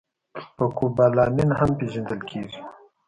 په کوبالامین هم پېژندل کېږي